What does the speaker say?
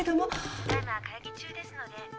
☎ただいま会議中ですので折り返し